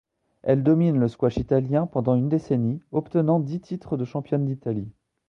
Elle domine le squash italien pendant une décennie, obtenant dix titres de championne d'Italie.